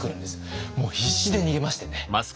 もう必死で逃げましてね。